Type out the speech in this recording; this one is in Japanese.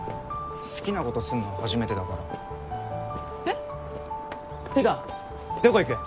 好きな子とするの初めてだからえっ？ってかどこ行く？